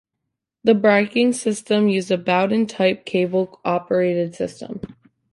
The braking system used a Bowden type cable operated system.